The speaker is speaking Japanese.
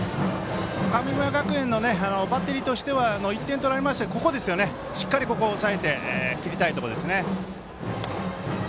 神村学園のバッテリーとしては１点取られましたけどしっかりここを抑えて切りたいところですね。